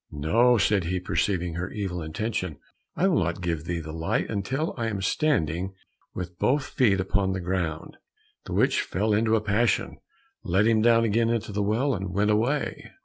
"No," said he, perceiving her evil intention, "I will not give thee the light until I am standing with both feet upon the ground." The witch fell into a passion, let him down again into the well, and went away.